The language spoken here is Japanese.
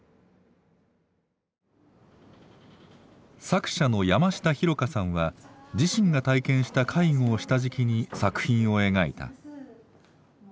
作者の山下紘加さんは自身が体験した介護を下敷きに作品を描いた。